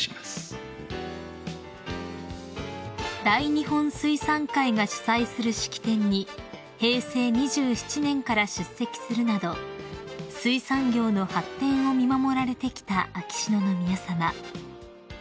［大日本水産会が主催する式典に平成２７年から出席するなど水産業の発展を見守られてきた秋篠宮さま］